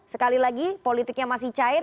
sekali lagi politiknya masih cair